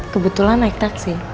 kebetulan naik taksi